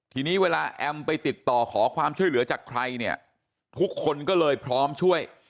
ทีนี้เวลาแอมไปติดต่อขอความช่วยเหลือจากใครเนี่ยทุกคนก็เลยพร้อมช่วย